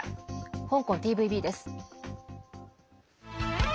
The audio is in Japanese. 香港ＴＶＢです。